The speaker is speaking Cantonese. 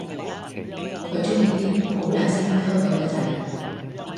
佢鍾意啲好難先溝到嘅仔